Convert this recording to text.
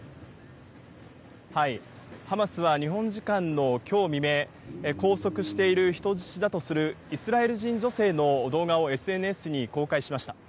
ハマスは日本時間のきょう未明、拘束している人質だとするイスラエル人女性の動画をＳＮＳに公開しました。